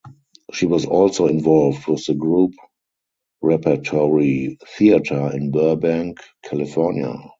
She was also involved with the Group Repertory Theatre in Burbank, California.